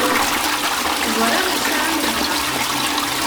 Ẓṛiɣ tesɛam lḥeq.